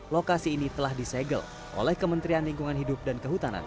lokasi ini telah disegel oleh kementerian lingkungan hidup dan kehutanan